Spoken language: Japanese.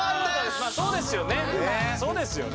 まあそうですよね